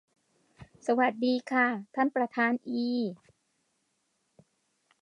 สวัสดีค่ะ ท่านประธานอี